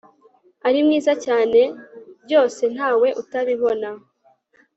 ari mwiza cyane ryose ntawe utabibona